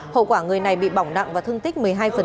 hậu quả người này bị bỏng nặng và thương tích một mươi hai